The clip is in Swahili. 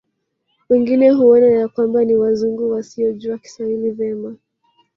Wengine huona ya kwamba ni Wazungu wasiojua Kiswahili vema